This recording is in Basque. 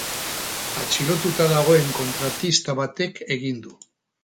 Atxilotuta dagoen kontratista batek egin du.